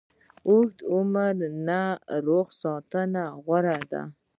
اوږد عمر نه روغ صحت غوره ده